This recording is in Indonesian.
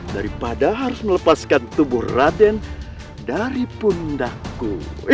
daripada harus melepaskan tubuh raden dari pundahku